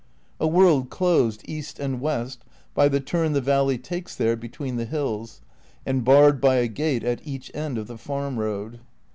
A world closed east and west by the turn the valley takes there between the hills, and barred by a gate at each end of the farm road.